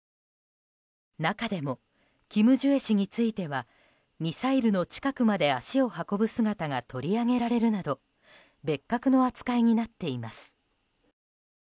中でもキム・ジュエ氏についてはミサイルの近くまで足を運ぶ姿が取り上げられるなど別格の扱いになっています。